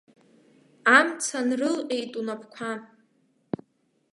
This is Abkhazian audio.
Амца нрылҟьеит унапқәа.